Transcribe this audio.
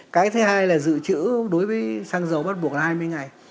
cái thứ hai là dự trữ đối với xăng dầu bắt buộc là hai mươi ngày